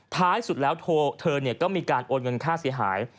ท้ายสุดแล้วเธอก็มีการโอนเงินค่าเสียหาย